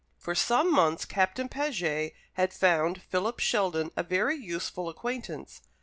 For some months Captain Paget had found Philip Sheldon a very useful acquaintance.